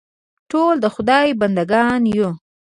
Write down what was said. ټول د خدای بنده ګان یو.